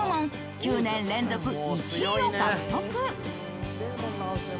９年連続１位を獲得。